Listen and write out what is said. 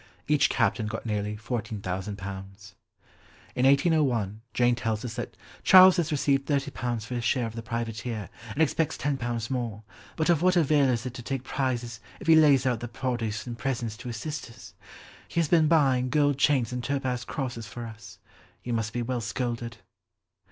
Each captain got nearly £14,000. In 1801, Jane tells us that "Charles has received £30 for his share of the privateer and expects ten pounds more, but of what avail is it to take prizes if he lays out the produce in presents to his sisters? He has been buying gold chains and topaz crosses for us. He must be well scolded."